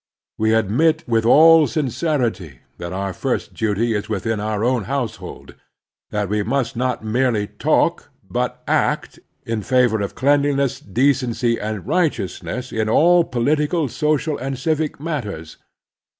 We admit with all sincerity that our first duty is within our own household ; that we must not merely talk, but act, in favor of cleanliness and decency and righteousness, in all political, social, and civic matters.